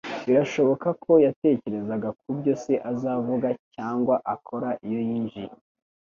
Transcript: Birashoboka ko yatekerezaga kubyo se azavuga cyangwa akora iyo yinjiye.